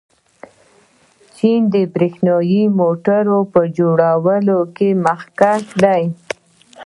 چین د برښنايي موټرو په جوړولو کې مخکښ دی.